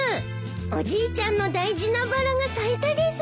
おじいちゃんの大事なバラが咲いたです。